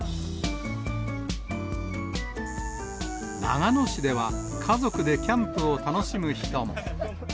長野市では、家族でキャンプを楽しむ人も。